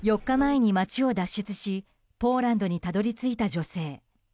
４日前に街を脱出しポーランドにたどり着いた女性。